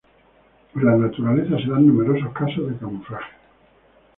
En la naturaleza se dan numerosos casos de camuflaje.